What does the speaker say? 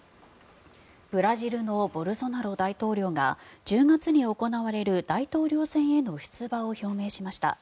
ブラジルのボルソナロ大統領が１０月に行われる大統領選への出馬を表明しました。